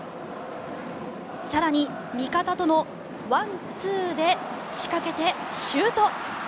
更に、味方とのワンツーで仕掛けて、シュート！